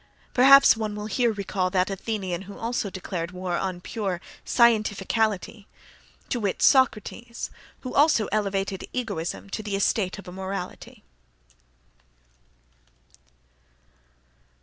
(—Perhaps one will here recall that Athenian who also declared war upon pure "scientificality," to wit, Socrates, who also elevated egoism to the estate of a morality).